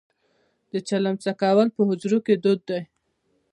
د چلم څکول په حجرو کې دود دی.